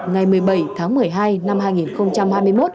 ngày một mươi bảy tháng một mươi hai năm hai nghìn hai mươi một